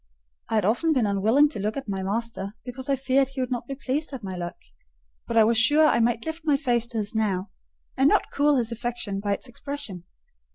I had often been unwilling to look at my master, because I feared he could not be pleased at my look; but I was sure I might lift my face to his now, and not cool his affection by its expression.